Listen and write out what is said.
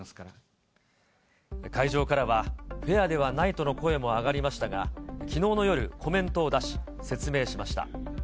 会場では、フェアではないとの声も上がりましたが、きのうの夜、コメントを出し、説明しました。